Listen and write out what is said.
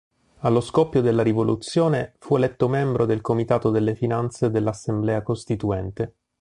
Allo scoppio della Rivoluzione fu eletto membro del comitato delle Finanze dell'Assemblea Costituente.